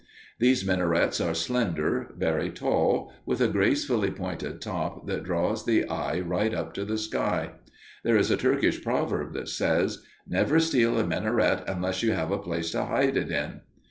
These minarets are slender, very tall, with a gracefully pointed top that draws the eye right up to the sky. There is a Turkish proverb that says, "Never steal a minaret unless you have a place to hide it in."